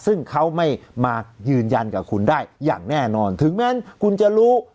ซึ่งเขาไม่มายืนยันกับคุณได้อย่างแน่นอนถึงแม้คุณจะรู้